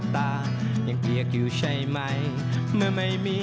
สนุนโดยอีซุสุสุข